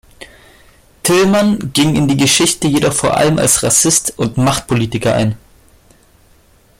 Tillman ging in die Geschichte jedoch vor allem als Rassist und Machtpolitiker ein.